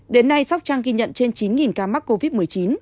đến nay sóc trăng ghi nhận trên chín ca mắc covid một mươi chín